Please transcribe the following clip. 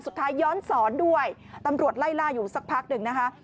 ย้อนสอนด้วยตำรวจไล่ล่าอยู่สักพักหนึ่งนะคะ